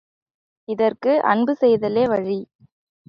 இதற்கு அன்பு செய்தலே வழி!